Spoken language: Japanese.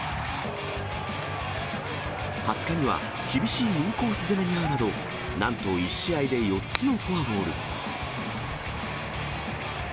２０日には厳しいインコース攻めに遭うなど、なんと１試合で４つのフォアボール。